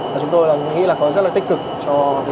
và chúng tôi nghĩ là có rất là tích cực cho cộng đồng